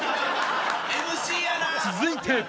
［続いて］